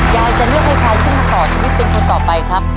ยายจะเลือกให้ใครขึ้นมาต่อชีวิตเป็นคนต่อไปครับ